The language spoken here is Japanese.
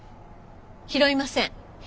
拾いません。